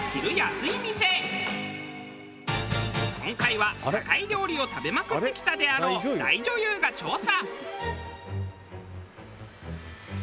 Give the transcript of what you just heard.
今回は高い料理を食べまくってきたであろう大女優が調査。